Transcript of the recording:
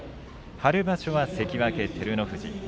春場所は関脇照ノ富士。